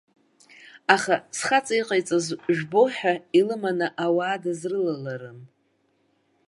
Аха, схаҵа иҟаиҵаз жәбо ҳәа илыманы ауаа дызрылаларым.